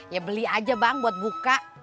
ya beli aja bang buat buka